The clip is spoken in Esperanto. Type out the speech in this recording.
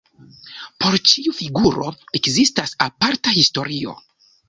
Por ĉiu figuro ekzistas aparta historio.